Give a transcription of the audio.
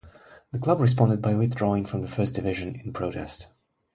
The club responded by withdrawing from the First Division in protest.